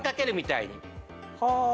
はあ。